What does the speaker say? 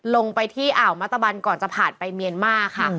ลงไปที่อ่าวมัตตะบันก่อนจะผ่านไปเมียนมาร์ค่ะ